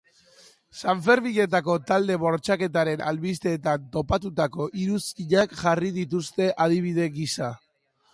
Sanferminetako talde bortxaketaren albisteetan topatutako iruzkinak jarri dituzte adibide gisa.